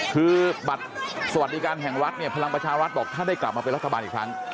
คือบัตรสวัสดิการแห่งรัฐเนี่ยพลังประชารัฐบอกถ้าได้กลับมาเป็นรัฐบาลอีกครั้ง